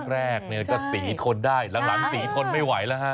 แรกเนี่ยก็สีทนได้หลังสีทนไม่ไหวแล้วฮะ